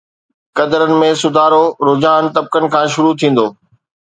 قدرن ۾ سڌارو رجحان طبقن کان شروع ٿيندو.